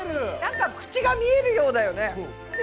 なんか口が見えるようだよね。